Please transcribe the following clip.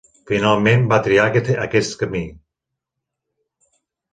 Finalment va triar aquest camí.